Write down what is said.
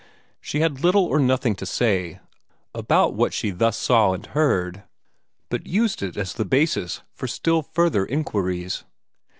She had little or nothing to say about what she thus saw and heard, but used it as the basis for still further inquiries.